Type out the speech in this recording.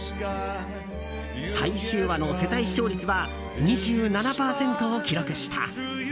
最終話の世帯視聴率は２７％を記録した。